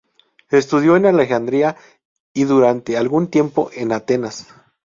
Estudió en Alejandría y durante algún tiempo en Atenas.